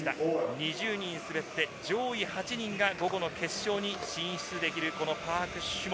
２０人滑って上位８人が午後の決勝に進出できる、パーク種目。